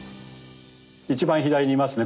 一番左にいますね。